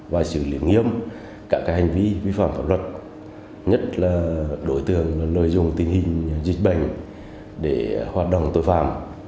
và xử lý nghiêm các hành vi vi phạm pháp luật nhất là đối tượng lợi dụng tình hình dịch bệnh để hoạt động tội phạm